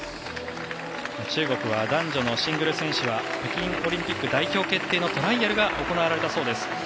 中国は男女のシングル選手は北京オリンピック代表決定のトライアルが行われたそうです。